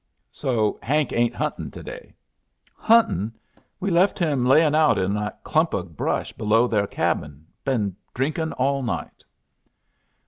"So Hank ain't huntin' to day?" "Huntin'! We left him layin' out in that clump o'brush below their cabin. Been drinkin' all night."